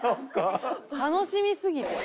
楽しみすぎて。